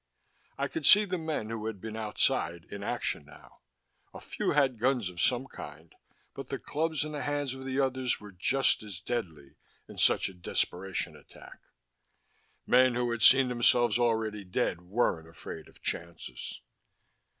I could see the men who had been outside in action now. A few had guns of some kind, but the clubs in the hands of the others were just as deadly in such a desperation attack; men who had seen themselves already dead weren't afraid of chances.